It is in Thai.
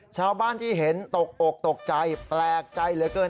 ชาวบ้านที่เห็นตกอกตกใจแปลกใจเหลือเกิน